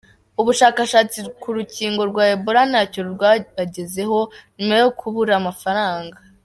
Ubushakashatsi ku rukingo rwa Ebola ntacyo bwagezeho, nyuma yo kubura amafaranga